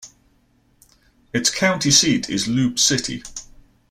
Its county seat is Loup City.